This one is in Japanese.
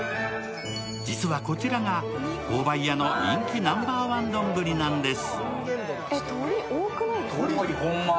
実は、こちらが紅梅やの人気ナンバーワン丼なんです。